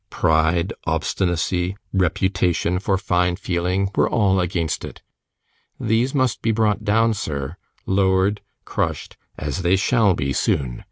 Pride, obstinacy, reputation for fine feeling, were all against it. These must be brought down, sir, lowered, crushed, as they shall be soon.